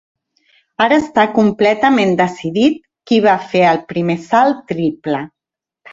Ara està completament decidit qui va fer el primer salt triple.